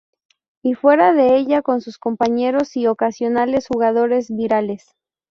Y fuera de ella, con sus compañeros y ocasionales jugadores rivales.